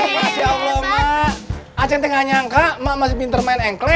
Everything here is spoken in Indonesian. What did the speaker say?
masya allah ma aku gak nyangka ma masih pinter main engkle